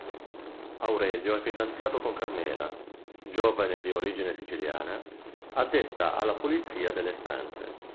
Aurelio è fidanzato con Carmela, giovane di origine siciliana, addetta alla pulizia delle stanze.